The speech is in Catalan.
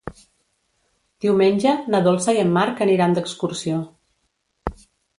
Diumenge na Dolça i en Marc aniran d'excursió.